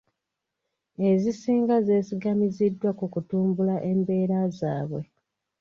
Ezisinga zeesigamiddwa ku kutumbula embeera zaabwe .